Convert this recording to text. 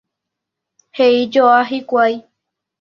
he'ijoa hikuái